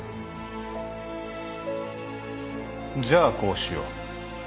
じゃあこうしよう。